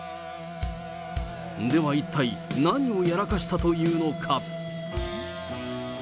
では一体、何をやらかしたというのか。